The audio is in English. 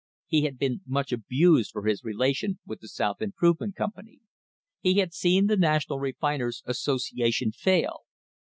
He had been much abused for his relation with the South Improvement Com pany. He had seen the National Refiners' Association fail.